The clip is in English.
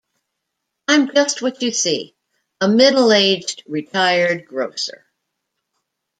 I'm just what you see — a middle-aged retired grocer.